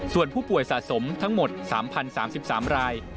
ส่วนผู้ป่วยสะสมทั้งหมด๓๐๓๓ราย